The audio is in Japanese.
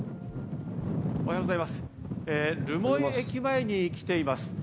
留萌駅前に来ています。